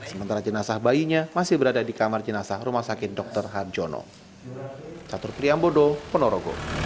sementara jenazah bayinya masih berada di kamar jenazah rumah sakit dr harjono